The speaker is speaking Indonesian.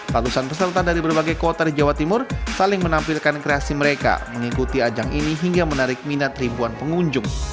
ratusan peserta dari berbagai kota di jawa timur saling menampilkan kreasi mereka mengikuti ajang ini hingga menarik minat ribuan pengunjung